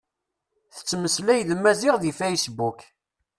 Tettmeslay d Maziɣ deg fasebbuk.